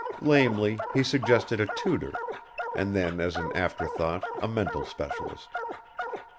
Lamely he suggested a tutor, and then, as an afterthought, a mental specialist.